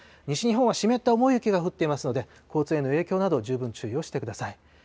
西日本は湿った重い雪が降っていますので、交通への影響など、十分注意をしてください。